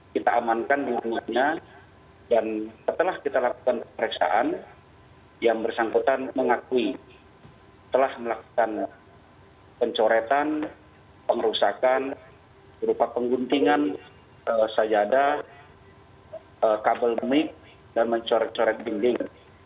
kita amankan di rumahnya dan setelah kita lakukan pemeriksaan yang bersangkutan mengakui telah melakukan pencoretan pengerusakan berupa pengguntingan sajadah kabel mik dan mencoret coret dinding